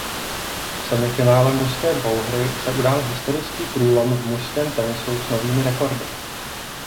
V semifinále mužské dvouhry se udál historický průlom v mužském tenisu s novými rekordy.